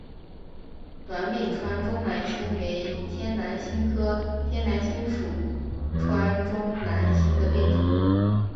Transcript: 短柄川中南星为天南星科天南星属川中南星的变种。